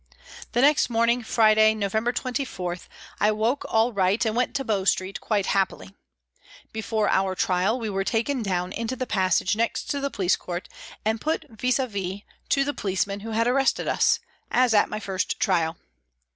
The next morning, Friday, November 24, I woke all right and went to Bow Street quite happily. Before our trial we were taken down into the passage next the police court, and put vis a vis to the police men who had arrested us, as at my first trial.